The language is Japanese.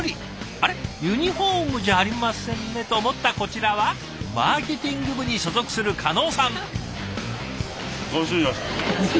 あれっユニフォームじゃありませんねと思ったこちらはマーケティング部に所属する叶さん。